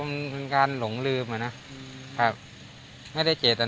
ก็ไม่กังวลครับมันเป็นการหลงลืมอ่ะนะครับไม่ได้เจตนา